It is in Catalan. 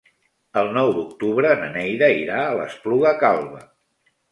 El nou d'octubre na Neida irà a l'Espluga Calba.